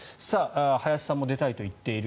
林さんも出たいと言っている。